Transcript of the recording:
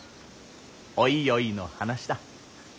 おいおいの話だ。